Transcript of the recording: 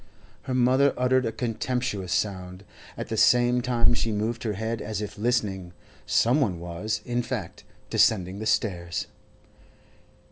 Her mother uttered a contemptuous sound. At the same time she moved her head as if listening; some one was, in fact, descending the stairs.